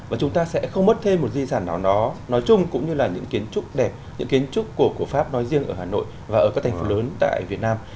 và chúng ta sẽ không mất thêm một di sản nào đó nói chung cũng như là những kiến trúc đẹp những kiến trúc của pháp nói riêng ở hà nội và ở các thành phố lớn tại việt nam